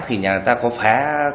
thì nhà ta có phá